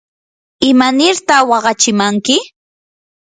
¿imanirta waqachimanki?